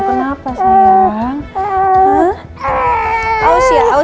selamat ulang tahun ya anak